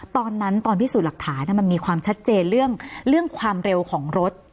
ตอนนั้นตอนพิสูจน์หลักฐานมันมีความชัดเจนเรื่องความเร็วของรถ